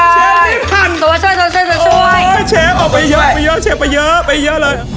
เชคออกไปเยอะ